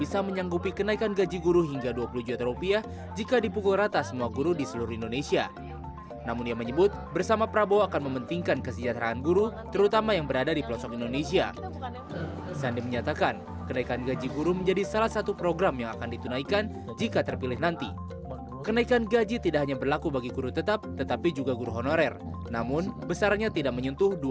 sudah mendapatkan keampatan yang cukup lumayan